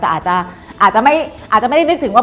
แต่อาจจะไม่ได้นึกถึงว่า